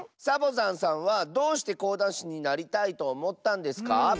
サボざんさんはどうしてこうだんしになりたいとおもったんですか？